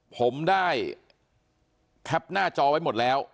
ผมได้แคปหน้าจอไว้หมดแล้ว